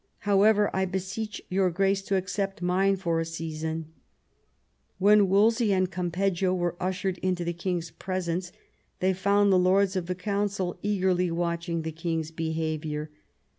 However, I beseech your grace to accept mine for a season." When Wolsey and Campeggio were ushered into the king's presence they found the lords of the Council eagerly watching the king's behaviour.